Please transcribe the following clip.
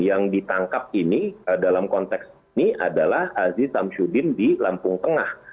yang ditangkap ini dalam konteks ini adalah aziz samsudin di lampung tengah